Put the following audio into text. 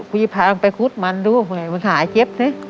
พี่พามไปขุดมันดูไงมึงหาเจ็บสิ